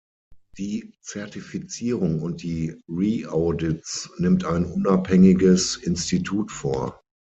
Die Zertifizierung und die Re-Audits nimmt ein unabhängiges Institut vor.